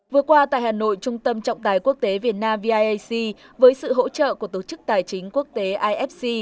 vừa qua tại hà nội trung tâm trọng tài quốc tế việt nam với sự hỗ trợ của tổ chức tài chính quốc tế ifc